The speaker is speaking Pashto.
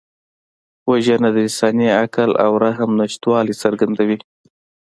وژنه د انساني عقل او رحم نشتوالی څرګندوي